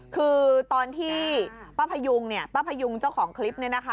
คือตอนที่ป้าพยุงเนี่ยป้าพยุงเจ้าของคลิปเนี่ยนะคะ